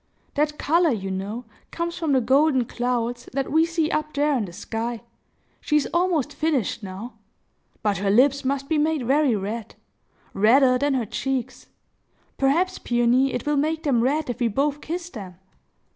"That color, you know, comes from the golden clouds, that we see up there in the sky. She is almost finished now. But her lips must be made very red,—redder than her cheeks. Perhaps, Peony, it will make them red if we both kiss them!"